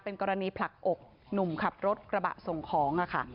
กรณีผลักอกหนุ่มขับรถกระบะส่งของค่ะ